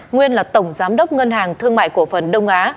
nguyên là tổng giám đốc ngân hàng thương mại cổ phần đông á